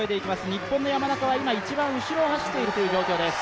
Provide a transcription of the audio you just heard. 日本の山中は一番後ろを走っている状況です。